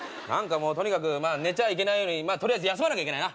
とにかく寝ちゃいけないように休まなきゃいけないな。